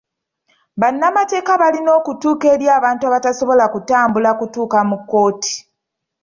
Bannamateeka balina okutuuka eri abantu abatasobola kutambula kutuuka mu kkooti.